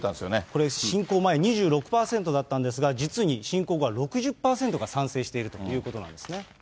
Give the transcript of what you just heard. これ、侵攻前２６％だったんですが、実に侵攻後は６０％が賛成しているということなんですね。